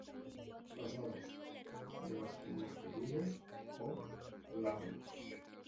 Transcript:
Los nodos de los culmos peludos o glabros.